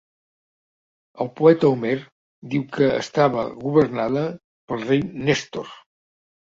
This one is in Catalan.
El poeta Homer diu que estava governada pel rei Nèstor.